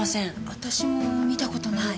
私も見た事ない。